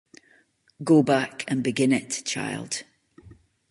Go back and begin it, child.